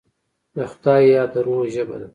د خدای یاد، د روح ژبه ده.